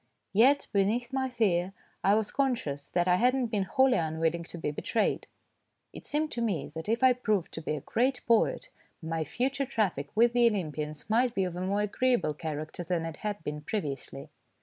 Yet beneath my fear I was conscious that I had not been wholly unwilling to be betrayed. It seemed to me that if I proved to be a great poet, my future traffic with the Olympians might be of a more agreeable character than it had been previously.